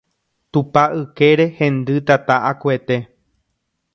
Tupa ykére hendy tata akuete